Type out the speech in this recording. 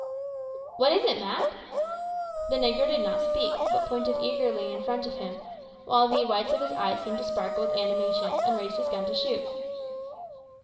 "What is't, Mak?" The negro did not speak, but pointed eagerly in front of him, while the whites of his eyes seemed to sparkle with animation, and raised his gun to shoot.